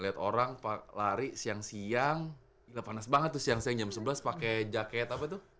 lihat orang lari siang siang udah panas banget tuh siang siang jam sebelas pakai jaket apa tuh